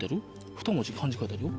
ふた文字漢字書いてあるよ。